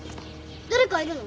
誰かいるの？